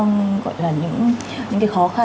gọi là những cái khó khăn